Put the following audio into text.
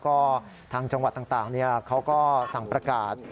ก็ทางจังหวัดต่างเขาก็สั่งประกาศ